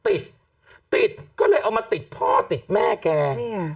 ติดติดก็เลยเอามาติดพ่อติดแม่แกอืม